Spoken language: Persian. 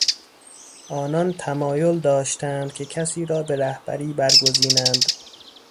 آنان تمایل داشتند که کسی را به رهبری برگزینند.